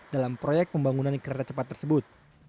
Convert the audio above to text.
dalam proyek pembangunan kereta cepat tersebut